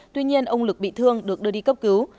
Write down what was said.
tuy nhiên ông lực bị thương được đưa đi cấp cứu